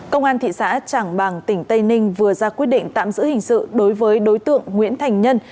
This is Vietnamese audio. công an thị xã trảng bàng tỉnh tây ninh vừa ra quyết định tạm giữ hình sự đối với đối tượng nguyễn thành nhân